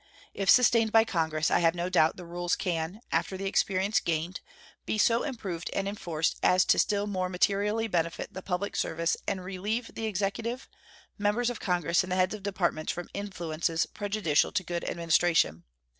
If sustained by Congress, I have no doubt the rules can, after the experience gained, be so improved and enforced as to still more materially benefit the public service and relieve the Executive, members of Congress, and the heads of Departments from influences prejudicial to good administration.